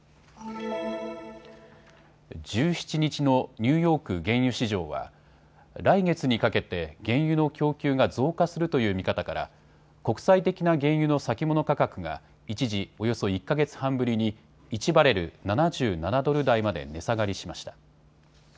１７日のニューヨーク原油市場は来月にかけて原油の供給が増加するという見方から国際的な原油の先物価格が一時、およそ１か月半ぶりに１バレル７７ドル台まで値下がりしました。